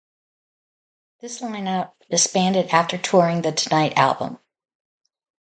This lineup disbanded after touring the "Tonight" album.